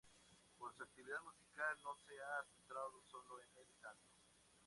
Pero su actividad musical no se ha centrado sólo en el canto.